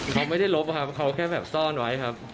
เขาไม่ได้ลบครับเขาแค่แบบซ่อนไว้ครับ